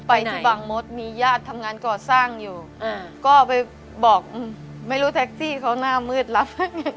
ไปที่บางมดมีญาติทำงานก่อสร้างอยู่ก็ไปบอกไม่รู้แท็กซี่เขาหน้ามืดรับ